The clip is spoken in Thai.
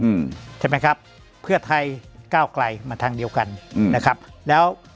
อืมใช่ไหมครับเพื่อไทยก้าวไกลมาทางเดียวกันอืมนะครับแล้ว